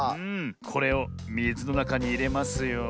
これをみずのなかにいれますよ。